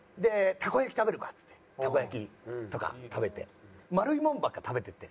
たこ焼き食べるかっつってたこ焼きとか食べて丸いもんばっか食べてって